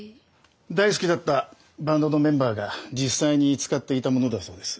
大好きだったバンドのメンバーが実際に使っていたものだそうです。